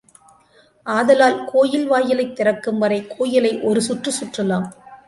ஆதலால் கோயில் வாயிலைத் திறக்கும் வரை கோயிலை ஒரு சுற்று சுற்றலாம்.